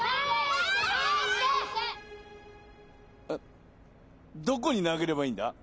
あっどこになげればいいんだ？